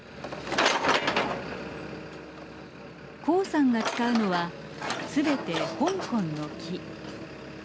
黄さんが使うのはすべて香港の木。